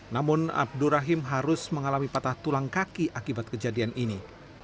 namun abdur rahim harus mengalami patah tulang kaki akibat kejadian ini